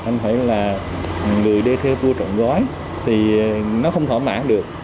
anh phải là người đưa theo tour trộn gói thì nó không thỏa mãn được